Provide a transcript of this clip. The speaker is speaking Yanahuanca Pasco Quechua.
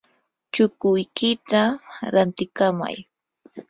chukuykita rantikamay.